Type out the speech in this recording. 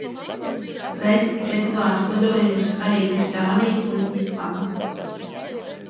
Veic regulārus lidojumus arī uz Dāniju un Islandi.